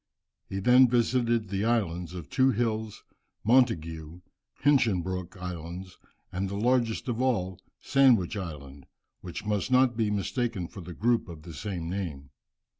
He then visited the Islands of Two Hills, Montagu and Hinchinbrook Islands, and the largest of all, Sandwich Island, which must not be mistaken for the group of the same name.